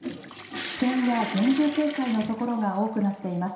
危険や厳重警戒のところが多くなっています。